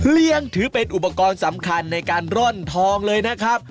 ถือเป็นอุปกรณ์สำคัญในการร่อนทองเลยนะครับ